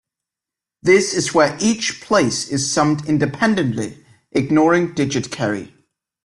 This is where each place is summed independently, ignoring digit carry.